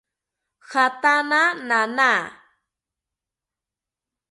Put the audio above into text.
Jatana nana